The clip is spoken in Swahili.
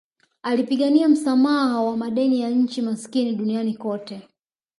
Alipigania msamaha wa madeni ya nchi maskini duniani kote